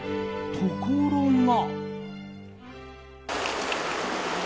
ところが。